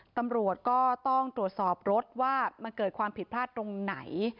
ตำรวจก็ต้องตรวจสอบรถว่ามันเกิดความผิดพลาดตรงไหน